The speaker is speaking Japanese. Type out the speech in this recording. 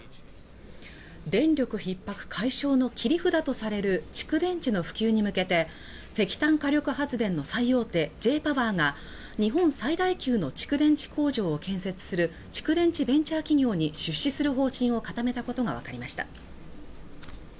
電力ひっ迫解消の切り札とされる蓄電池の普及に向けて石炭火力発電の最大手Ｊ−ＰＯＷＥＲが日本最大級の蓄電池工場を建設する蓄電池ベンチャー企業に出資する方針を固めたことが分かりました